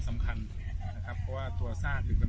สวัสดีครับคุณผู้ชาย